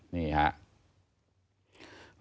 นี่ครับ